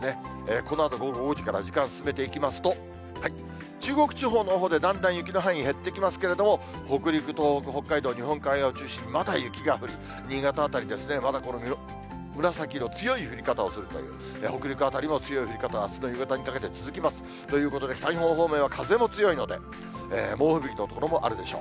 このあと午後５時から時間進めていきますと、中国地方のほうでだんだん雪の範囲減ってきますけれども、北陸、東北、北海道、日本海側を中心に、まだ雪が降り、新潟辺りですね、まだ紫色、強い降り方をするという、北陸辺りも強い降り方、あすの夕方にかけて続きます。ということで、北日本方面は風も強いので、猛吹雪の所もあるでしょう。